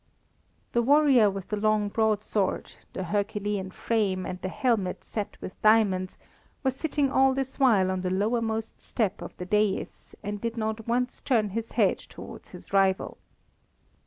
The warrior with the long broadsword, the herculean frame, and the helmet set with diamonds, was sitting all this while on the lowermost step of the daïs, and did not once turn his head towards his rival.